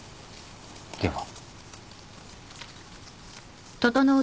では。